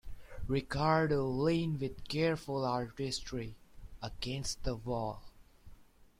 Ricardo leaned with careful artistry against the wall.